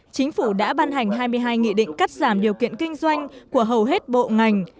chính phủ đã ban hành hai mươi hai nghị định cắt giảm điều kiện kinh doanh của hầu hết bộ ngành